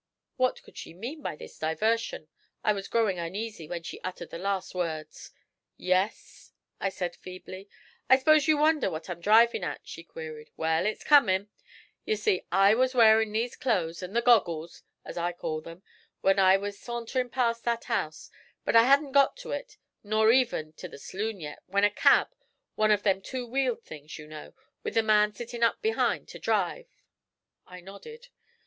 What could she mean by this diversion? I was growing uneasy when she uttered the last words. 'Yes?' I said feebly. 'I s'pose you wonder what I'm drivin' at?' she queried. 'Well, it's comin'. Ye see, I was wearin' these clo's, and the goggles, as I call 'em, when I went sa'nterin' past that house; but I hadn't got to it, nor even to the s'loon yet, when a cab one of them two wheeled things, you know, with the man settin' up behind to drive.' I nodded.